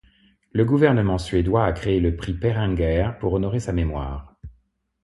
Le gouvernement suédois a créé le prix Per Anger pour honorer sa mémoire.